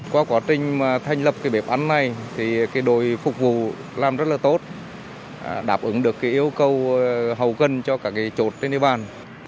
qua quá trình thành lập bếp ăn này đội phục vụ làm rất tốt đáp ứng được yêu cầu hầu cân cho cả chột trên địa bàn